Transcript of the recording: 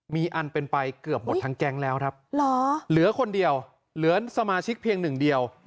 มีอันเป็นไปเกือบหมดทั้งแก๊งแล้วครับเหลือคนเดียวเหลือสมาชิกเพียงหนึ่งเดียว